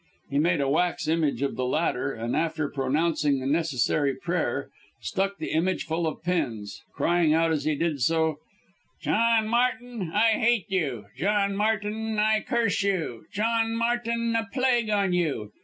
He made a wax image of the latter, and after pronouncing the necessary prayer, stuck the image full of pins, crying out as he did so "John Martin, I hate you. John Martin, I curse you. John Martin, a plague on you."